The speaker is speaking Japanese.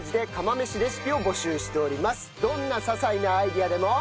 どんな些細なアイデアでも。